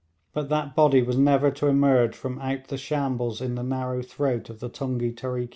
But that body was never to emerge from out the shambles in the narrow throat of the Tunghee Tariki.